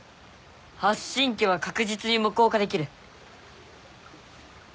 発信器は確実に無効化できる。